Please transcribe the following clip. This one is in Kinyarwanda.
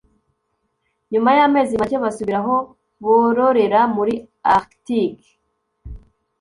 Nyuma y'amezi make basubira aho bororera muri Arctique